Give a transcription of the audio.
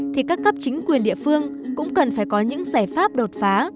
thì các cấp chính quyền địa phương cũng cần phải có những giải pháp đột phá